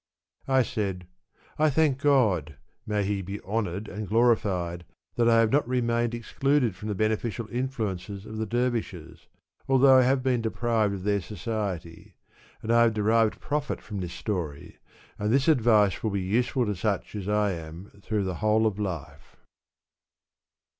I said, ''I thank God (may He be honored and glorified !) that I have not remained excluded from the beneficial influences of the dervishes, although I have been deprived of their society, and I have de rived profit from this story, and this advice will be useful to such as I am through the whole of life."